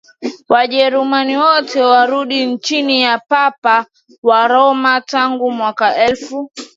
Wajerumani wote warudi chini ya Papa wa Roma Tangu mwaka elfu